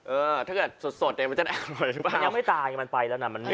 เออถ้าเกิดสดเนี่ยมันจะได้อร่อยหรือเปล่า